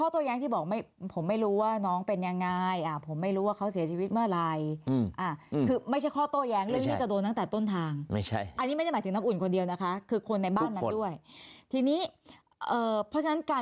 ถ้า๕โมงมันเหมือนตอนที่ข่าวบอกว่า